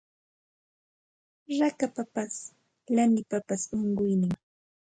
Rakapapas lanipapas unquynin